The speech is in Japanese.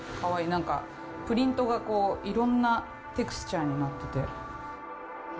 なんか、プリントがいろんなテクスチャーになってて。